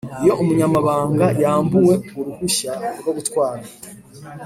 Iyo umunyamahanga yambuwe uruhushya rwo gutwara